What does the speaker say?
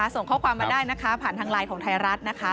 ส่งข้อความมาได้นะคะผ่านทางไลน์ของไทยรัฐนะคะ